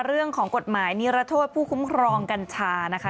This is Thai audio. เรื่องของกฎหมายนิรโทษผู้คุ้มครองกัญชานะคะ